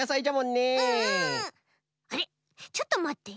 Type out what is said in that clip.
あれちょっとまって？